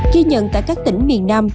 khi nhận tại các tỉnh miền nam